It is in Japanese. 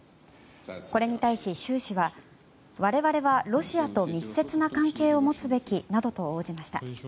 これに対し習氏は我々はロシアと密接な関係を持つべきなどと応じました。